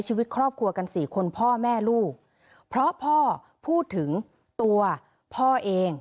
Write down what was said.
ชีวิตครอบครัวกันสี่คนพ่อแม่ลูกเพราะพ่อพูดถึงตัวพ่อเอง